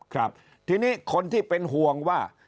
ครับทีนี้คนที่เป็นห่วงว่า